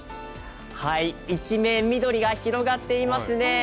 一面緑が広がっていますね。